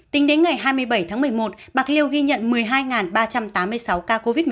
tính đến ngày hai mươi bảy tháng một mươi một bạc liêu ghi nhận một mươi hai ba trăm tám mươi sáu ca covid một mươi chín